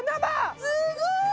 すごい！